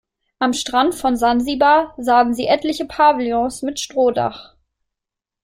Am Strand von Sansibar sahen sie etliche Pavillons mit Strohdach.